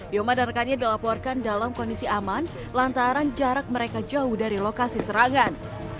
yoma dan rekannya dilaporkan dalam kondisi aman lantaran jarak mereka jauh dari lokasi serangan